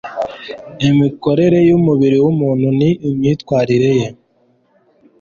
imikorere y umubiri w umuntu n imyitwarire ye